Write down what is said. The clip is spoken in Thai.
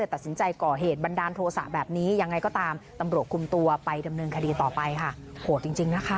เพราะว่าเงินไม่ค่อยให้